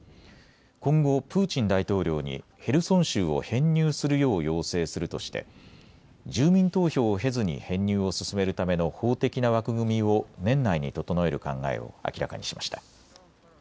今後、プーチン大統領にヘルソン州を編入するよう要請するとして住民投票を経ずに編入を進めるための法的な枠組みを年内に整える考えを明らかにしました。